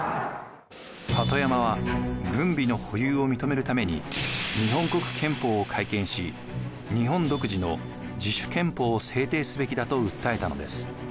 鳩山は軍備の保有を認めるために日本国憲法を改憲し日本独自の自主憲法を制定すべきだと訴えたのです。